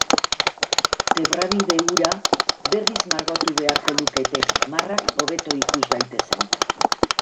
Zebrabide hura berriz margotu beharko lukete marrak hobeto ikus daitezen.